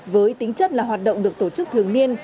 với tính chất là hoạt động được tổ chức thường niên